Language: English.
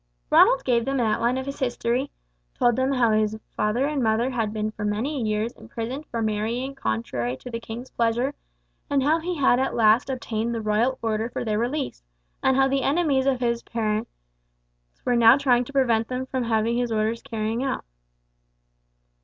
Ronald gave them an outline of his history, told them how his father and mother had been for many years imprisoned for marrying contrary to the king's pleasure, and how he had at last obtained the royal order for their release, and how the enemies of his parents were now trying to prevent him from having those orders carried out.